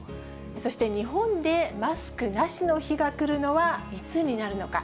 そして、日本でマスクなしの日が来るのはいつになるのか。